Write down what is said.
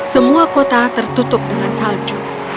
semua kota tertutup dengan salju